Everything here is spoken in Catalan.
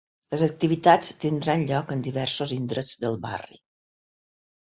Les activitats tindran lloc en diversos indrets del barri.